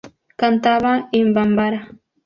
Cantaba en bambara.